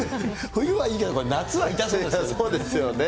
冬はいいけど、これ、夏は痛そうですね。